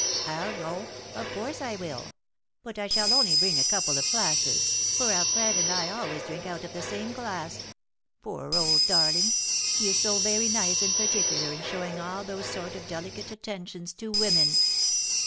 I'll go, of course I will; but I shall only bring a couple of glasses, for Alfred and I always drink out of the same glass. Poor old darling! he is so very nice and particular in showing all those sort of delicate attentions to women."